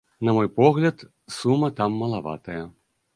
Нам мой погляд, сума там малаватая.